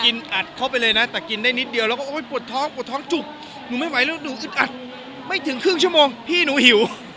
อัดเข้าไปเลยนะแต่กินได้นิดเดียวแล้วก็โอ๊ยปวดท้องปวดท้องจุกหนูไม่ไหวแล้วหนูอึดอัดไม่ถึงครึ่งชั่วโมงพี่หนูหิว